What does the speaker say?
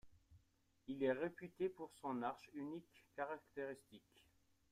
Il est réputé pour son arche unique caractéristique.